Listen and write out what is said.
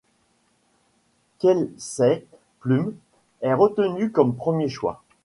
Kelsey Plum est retenue comme premier choix.